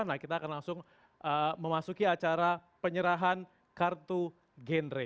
nah kita akan langsung memasuki acara penyerahan kartu genre